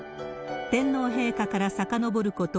天皇陛下からさかのぼること